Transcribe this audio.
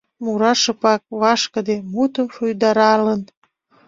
Мура шыпак, вашкыде, мутым шуйдаралын.